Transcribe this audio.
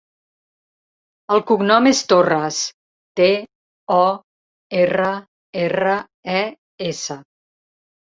El cognom és Torres: te, o, erra, erra, e, essa.